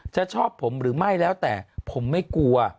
ชอบผมหรือไม่แล้วแต่ผมไม่กลัว